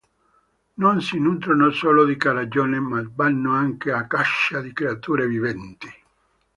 Non si nutrono solo di carogne, ma vanno anche a caccia di creature viventi.